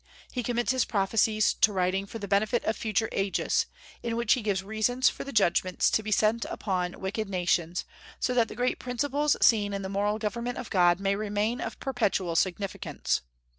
He commits his prophecies to writing for the benefit of future ages, in which he gives reasons for the judgments to be sent upon wicked nations, so that the great principles seen in the moral government of God may remain of perpetual significance.